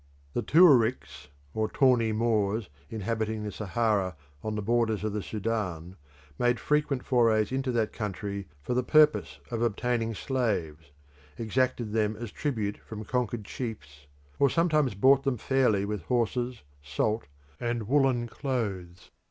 The Tuaricks or Tawny Moors inhabiting the Sahara on the borders of the Sudan, made frequent forays into that country for the purpose of obtaining slaves, exacted them as tribute from conquered chiefs, or sometimes bought them fairly with horses, salt, and woollen clothes.